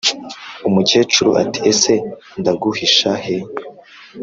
umukecuru ati:" ese ndaguhisha he?